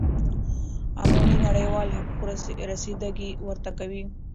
عمومی نړیوال حقوق رسیده ګی ورته کوی